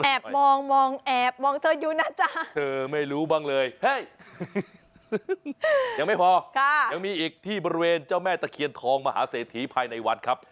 มองแอบมองเธออยู่นะจ๊ะเธอไม่รู้บ้างเลยเฮ้ยยังไม่พอยังมีอีกที่บริเวณเจ้าแม่ตะเคียนทองมหาเศรษฐีภายในวัดครับ